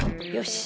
よし。